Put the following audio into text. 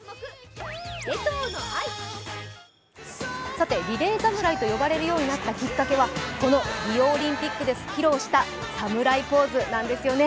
さてリレー侍と呼ばれるようになったきっかけはこのリオオリンピックで披露した侍ポーズなんですよね。